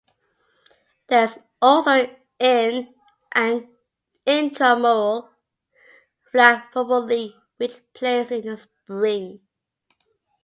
There is also an intramural flag football league which plays in the spring.